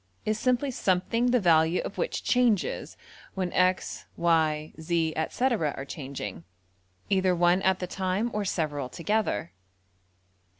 is simply something the value of which changes when $x$,~$y$, $z$,~etc., are changing, either one at the time or several together.